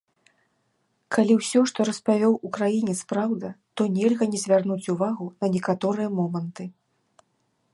Калі ўсё, што распавёў украінец, праўда, то нельга не звярнуць увагу на некаторыя моманты.